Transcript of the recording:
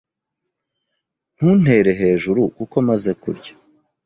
Ntuntere hejuru kuko maze kurya.